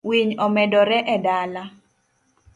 Winy omedore e dala.